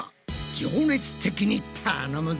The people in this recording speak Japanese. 情熱的に頼むぞ！